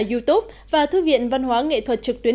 youtube và thư viện văn hóa nghệ thuật trực tuyến